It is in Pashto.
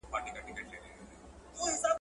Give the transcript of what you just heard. که کار مې خلاص شو نو پارک ته ځم.